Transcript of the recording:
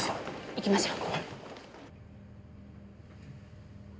行きましょう。